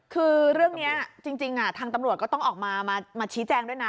คือเรื่องนี้จริงทางตำรวจก็ต้องออกมาชี้แจงด้วยนะ